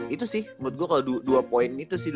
itu sih menurut gue kalau dua poin itu sih